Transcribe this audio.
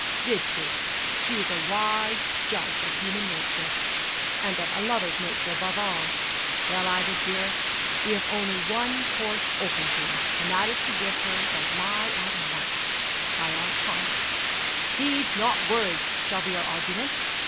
'Did she? She is a wise judge of human nature and of a lover's nature, above all. Well, Ida, dearest, we have only one course open to us, and that is to give her the lie at once by our conduct. Deeds, not words, shall be our argument.